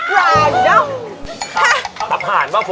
ตัพหาวน์